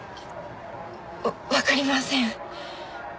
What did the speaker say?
わわかりません。